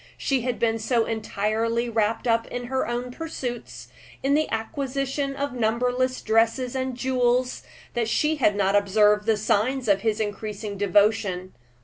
She had been so entirely wrapped up in her own pursuits, in the acquisition of numberless dresses and jewels, that she had not observed the signs of his increasing devotion.